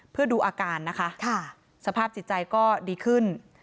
เพื่อดูอาการนะคะสภาพจิตใจก็ดีขึ้น